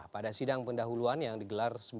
pada sidang pendahuluan yang digelar